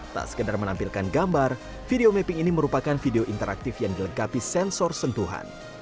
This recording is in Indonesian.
tak sekedar menampilkan gambar video mapping ini merupakan video interaktif yang dilengkapi sensor sentuhan